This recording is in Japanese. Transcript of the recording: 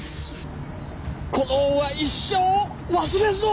この恩は一生忘れんぞ！